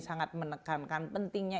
sangat menekankan pentingnya